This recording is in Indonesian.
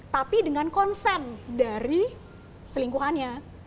tapi dengan konsen dari selingkuhannya